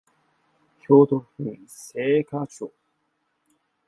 京都府精華町